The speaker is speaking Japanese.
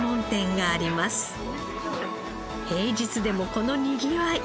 平日でもこのにぎわい。